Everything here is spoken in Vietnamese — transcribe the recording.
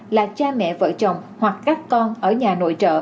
là cha mẹ vợ chồng hoặc các con ở nhà nội trợ